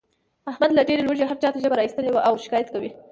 احمد له ډېر لوږې هر چاته ژبه را ایستلې وي او شکایت کوي.